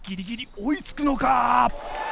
追いつくのか！